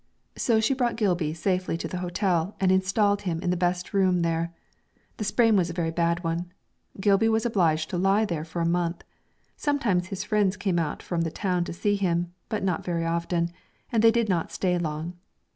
So she brought Gilby safely to the hotel and installed him in the best room there. The sprain was a very bad one. Gilby was obliged to lie there for a month. Sometimes his friends came out from the town to see him, but not very often, and they did not stay long.